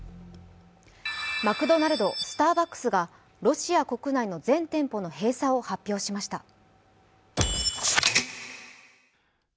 マクドナルドスターバックスがロシア国内の全店舗の閉鎖を発表しました。